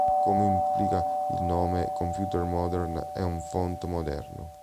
Come implica il nome, Computer Modern è un font "moderno".